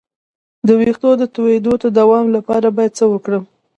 د ویښتو د تویدو د دوام لپاره باید څه وکړم؟